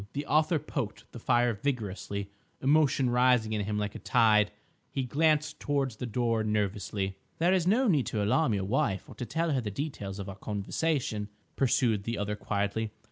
The author poked the fire vigorously, emotion rising in him like a tide. He glanced towards the door nervously. "There is no need to alarm your wife or to tell her the details of our conversation," pursued the other quietly.